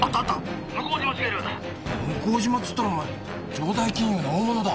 向島っつったらお前城代金融の大物だ！